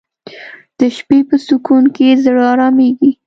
د شپې په سکون کې زړه آرامیږي